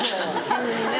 急にね。